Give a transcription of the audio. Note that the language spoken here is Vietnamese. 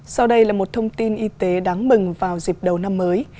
sau đây là một thông tin y tế đáng mừng vào dịp đầu năm mới